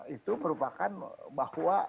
itu merupakan bahwa